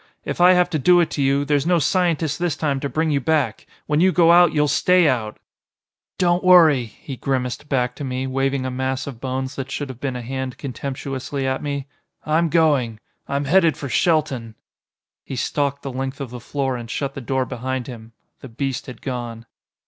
If I have to do it to you, there's no scientist this time to bring you back. When you go out you'll stay out!" "Don't worry," he grimaced back to me, waving a mass of bones that should have been a hand contemptuously at me, "I'm going. I'm headed for Shelton." He stalked the length of the floor and shut the door behind him. The beast had gone.